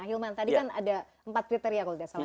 hilman tadi kan ada empat kriteria kalau tidak salah